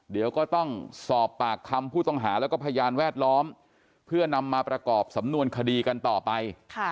เดี๋ยวก็ต้องสอบปากคำผู้ต้องหาแล้วก็พยานแวดล้อมเพื่อนำมาประกอบสำนวนคดีกันต่อไป